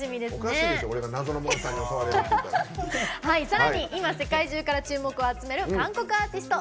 さらに今世界中から注目を集める韓国アーティスト。